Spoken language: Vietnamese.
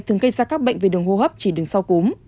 thường gây ra các bệnh về đường hô hấp chỉ đường sau cúm